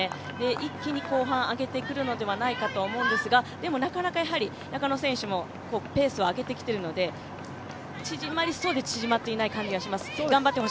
一気に後半上げてくるのではないかと思うのですが、でもなかなか中野選手もペースを上げてきているので、縮まりそうで、縮まっていない感じがします、頑張ってほ